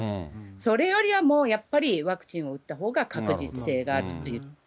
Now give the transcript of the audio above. それよりはもうやっぱり、ワクチンを打ったほうが確実性があるっていう。